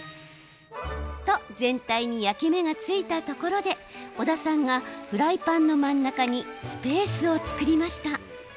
と、全体に焼き目がついたところで小田さんがフライパンの真ん中にスペースを作りました。